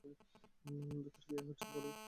ভেতরে কী হচ্ছে বলো।